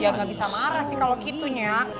ya gak bisa marah sih kalau gitu ya